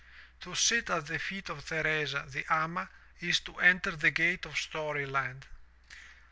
To sit at the feet of Theresa, the amay is to enter the gate of story land.